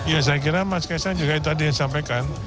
ya saya kira mas kaisang juga tadi yang sampaikan